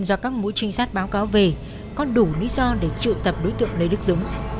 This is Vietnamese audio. do các mũi trinh sát báo cáo về có đủ lý do để trự tập đối tượng lê đức dũng